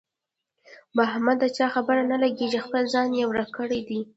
په احمد د چا خبره نه لګېږي، خپل ځان یې ورک کړی دی.